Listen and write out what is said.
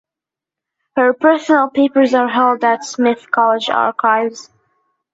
Her personal papers are held at Smith College Archives.